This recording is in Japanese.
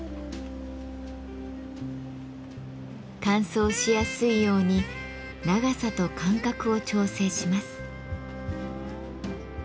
乾燥しやすいように長さと間隔を調整します。